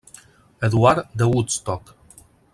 Eduard de Woodstock.